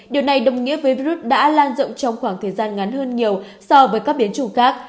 điều này đồng nghĩa với virus đã lan rộng trong khoảng thời gian ngắn hơn nhiều so với các biến chủng khác